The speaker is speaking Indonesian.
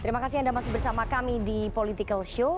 terima kasih anda masih bersama kami di political show